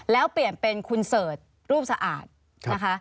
แล้วเปลี่ยนเป็นคุณเสิร์ชรูปสะอาดนะคะ